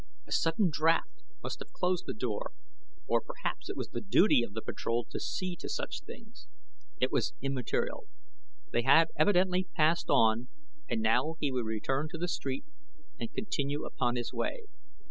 A sudden draft must have closed the door, or perhaps it was the duty of the patrol to see to such things. It was immaterial. They had evidently passed on and now he would return to the street and continue upon his way.